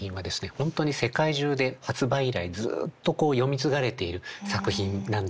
本当に世界中で発売以来ずっと読み継がれている作品なんです。